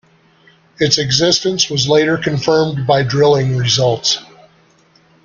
Its existence was later confirmed by drilling results.